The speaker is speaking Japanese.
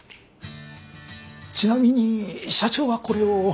ちなみに社長はこれを？